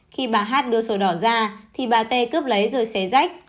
khi bà hát đưa sổ đỏ ra thì bà t cướp lấy rồi xé rách